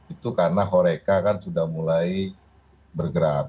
itu karena horeca kan sudah mulai bergerak